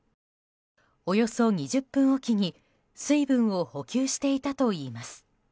およそ２０分おきに水分を補給していたといいます。